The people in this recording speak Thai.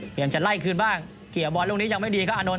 จะไล่คืนบ้างเกี่ยวบอลลูกนี้ยังไม่ดีครับอานนท